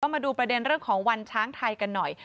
มาดูประเด็นเรื่องของวันช้างไทยกันหน่อย